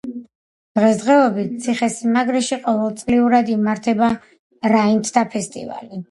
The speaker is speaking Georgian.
დღესდღეობით ციხესიმაგრეში ყოველწლიურად იმართება რაინდთა ფესტივალი.